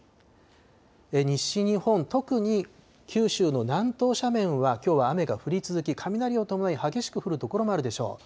西日本、特に九州の南東斜面は、きょうは雨が降り続き、雷を伴い、激しく降る所もあるでしょう。